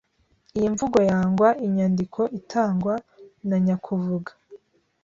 Iyi mvugo yangwa inyandiko itangwa na nyakuvuga